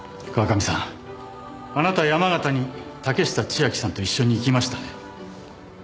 川上さんあなた山形に竹下千晶さんと一緒に行きましたね？